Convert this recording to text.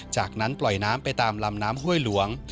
จากนั้นปล่อยน้ำไปตามลำน้ำห้วยหลวง